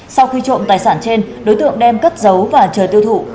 sau khi trộm tài sản trên đối tượng đem cất giấu và chờ tiêu thụ